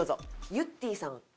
ゆってぃさん。